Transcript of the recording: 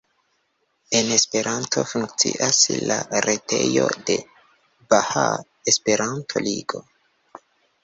En Esperanto funkcias la retejo de Bahaa Esperanto-Ligo.